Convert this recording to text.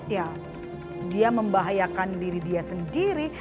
ya dia membahayakan diri dia sendiri